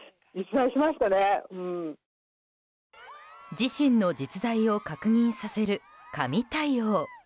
自身の実在を確認させる神対応。